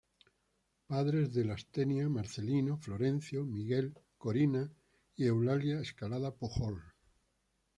Padres de Lastenia, Marcelino, Florencio, Miguel, Corina y Eulalia Escalada Pujol.